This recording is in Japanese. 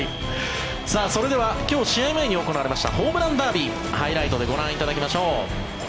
それでは今日試合前に行われましたホームランダービーハイライトでご覧いただきましょう。